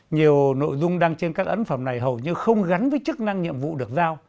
nhiều nội dung đăng trên các ấn phẩm này hầu như không gắn với chức năng nhiệm vụ được giao